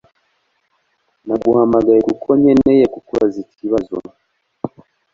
Naguhamagaye kuko nkeneye kukubaza ikibazo